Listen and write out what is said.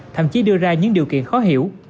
thậm chí đưa ra những điều kiện khó hiểu